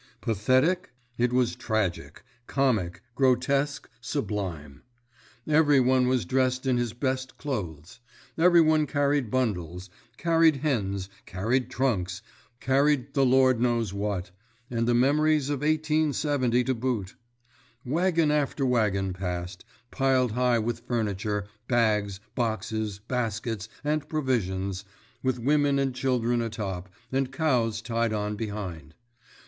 Pathetic? It was tragic, comic, grotesque, sublime! Everyone was dressed in his best clothes; everyone carried bundles, carried hens, carried trunks, carried the Lord knows what—and the memories of 1870 to boot! Wagon after wagon passed, piled high with furniture, bags, boxes, baskets, and provisions, with women and children atop, and cows tied on behind.